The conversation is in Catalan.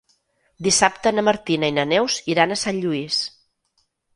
Dissabte na Martina i na Neus iran a Sant Lluís.